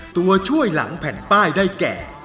ตัวช่วยหลังแผ่นป้ายได้แก่